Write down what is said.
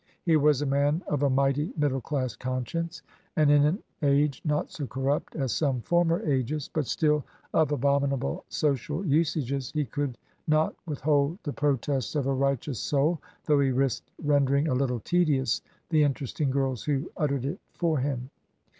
He was a man of a mighty middle class conscience, and in an age not so corrupt as some former ages, but still of abominable social usages, he could not withhold the protest of a righteous soul, though he risked rendering a little tedious the interesting girls who uttered it for him.